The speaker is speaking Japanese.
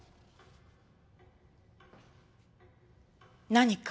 何か？